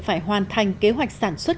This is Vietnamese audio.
phải hoàn thành kế hoạch sản xuất